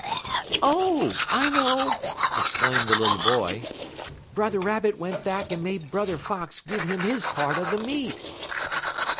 "Oh, I know!" exclaimed the little boy. "Brother Rabbit went back and made Brother Fox give him his part of the meat."